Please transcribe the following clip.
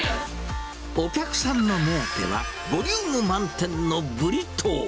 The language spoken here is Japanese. お客さんの目当ては、ボリューム満点のブリトー。